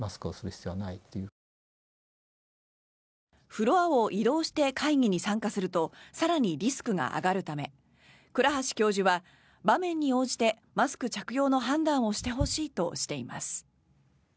フロアを移動して会議に参加すると更にリスクが上がるため倉橋教授は場面に応じてマスク着用の判断をしてほしいとしています。